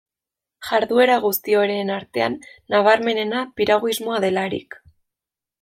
Jarduera guzti horien artean nabarmenena piraguismoa delarik.